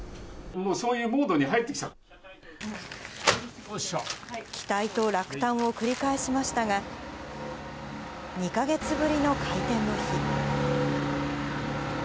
もうそういうモードに入って期待と落胆を繰り返しましたが、２か月ぶりの開店の日。